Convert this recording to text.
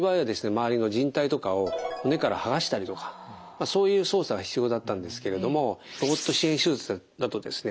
周りのじん帯とかを骨から剥がしたりとかそういう操作が必要だったんですけれどもロボット支援手術だとですね